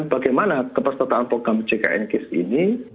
bagaimana kepestataan program jknk ini